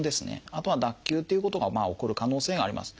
あとは脱臼っていうことが起こる可能性があります。